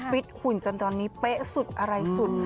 หุ่นจนตอนนี้เป๊ะสุดอะไรสุด